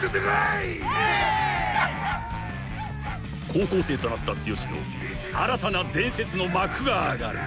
［高校生となった剛の新たな伝説の幕が上がる］